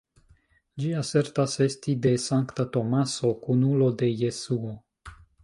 Ĝi asertas esti de Sankta Tomaso, kunulo de Jesuo.